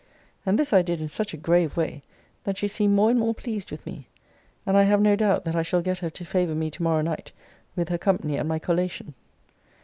And this I did in such a grave way, that she seemed more and more pleased with me; and I have no doubt, that I shall get her to favour me to morrow night with her company at my collation.